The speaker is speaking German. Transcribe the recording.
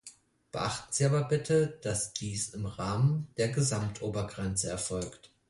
Beachten Sie aber bitte, dass dies im Rahmen der Gesamtobergrenze erfolgt.